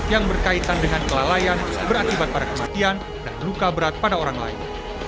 yang berkaitan dengan kelalaian berakibat pada kematian dan luka berat pada orang lain